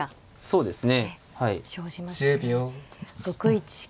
そうですね